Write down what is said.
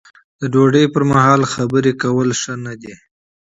د ډوډۍ پر مهال خبرې کول ښه نه دي.